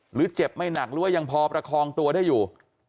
หรือเจ็บไม่หนักหรือว่ายังพอประคองตัวได้อยู่